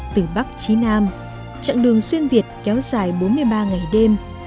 từ bắc chí nam chặng đường xuyên việt kéo dài bốn mươi ba ngày đêm